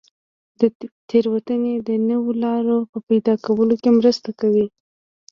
تېروتنې د نویو لارو په پیدا کولو کې مرسته کوي.